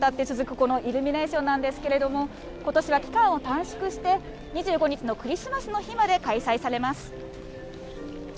このイルミネーションなんですけれども、ことしは期間を短縮して、２５日のクリスマスの日まで開催されます。